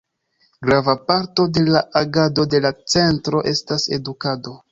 Grava parto de la agado de la Centro estas edukado.